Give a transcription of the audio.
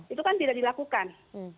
itu kan tidak dilakukan